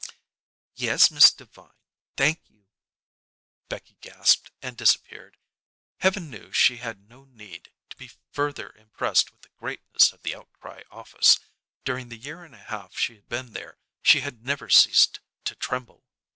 "Yes, Miss Devine. Thank you," Becky gasped and disappeared. Heaven knew she had no need to be further impressed with the greatness of "The Outcry" office. During the year and a half she had been there she had never ceased to tremble.